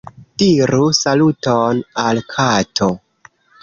Diru saluton al kato.